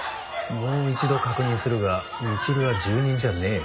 もう一度確認するがみちるは住人じゃねえよな？